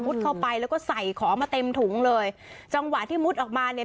เข้าไปแล้วก็ใส่ของมาเต็มถุงเลยจังหวะที่มุดออกมาเนี่ย